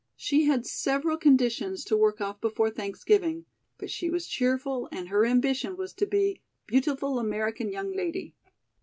She had several conditions to work off before Thanksgiving, but she was cheerful and her ambition was to be "beautiful American young lady."